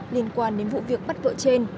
liên quan đến vụ việc bắt vợ trên